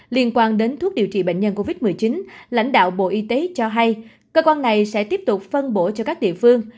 liên quan đến thuốc điều trị bệnh nhân covid một mươi chín lãnh đạo bộ y tế cho hay cơ quan này sẽ tiếp tục phân bổ cho các địa phương